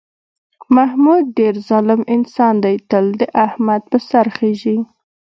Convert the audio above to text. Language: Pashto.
محمود ډېر ظالم انسان دی، تل د احمد په سر خېژي.